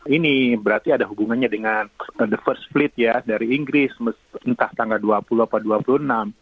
ini berarti ada hubungannya dengan the first fleet ya dari inggris entah tanggal dua puluh atau dua puluh enam